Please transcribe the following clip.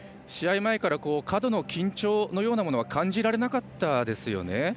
試合前から過度の緊張のようなものは感じられなかったですよね。